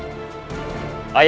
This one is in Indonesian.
ayahku dilahirkan oleh seorang seluruh